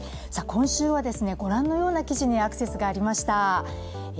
今週は御覧のような記事にアクセスがありました。